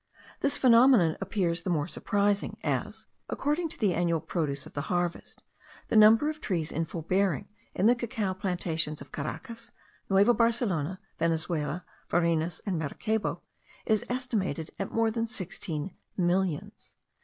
This phenomenon appears the more surprising, as, according to the annual produce of the harvest, the number of trees in full bearing in the cacao plantations of Caracas, Nueva Barcelona, Venezuela, Varinas, and Maracaybo, is estimated at more than sixteen millions.